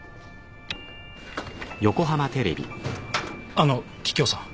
あの桔梗さん。